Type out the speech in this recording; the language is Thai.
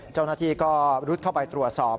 เจ้าหน้าที่ก็รุดเข้าไปตรวจสอบ